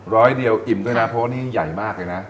ร้อยเดียวอิ่มด้วยนะเพราะว่านี่ใหญ่มากเลยนะ